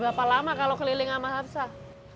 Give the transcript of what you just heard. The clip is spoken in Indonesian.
berapa lama kalau keliling sama hafsah